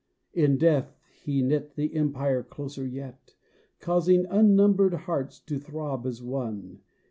In death he knit the Empire closer yet, Causing unnumbered hearts to throb as one.